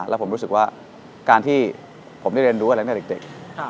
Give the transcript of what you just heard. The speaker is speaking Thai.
แล้วผมรู้สึกว่าการที่ผมได้เรียนรู้อะไรตั้งแต่เด็ก